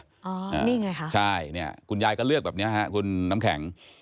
นี่ไงคะใช่เนี่ยคุณยายก็เลือกแบบเนี้ยฮะคุณน้ำแข็ง